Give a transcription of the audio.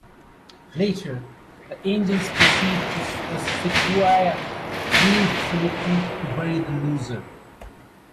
Later, the Angels proceed to the Sequoia Grove cemetery to bury the Loser.